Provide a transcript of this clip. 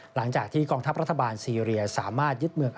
หลังจากที่กองทัพรัฐบาลซีเรียสามารถยึดเมือง